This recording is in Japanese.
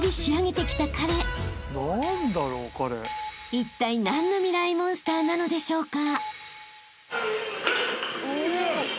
［いったい何のミライ☆モンスターなのでしょうか？］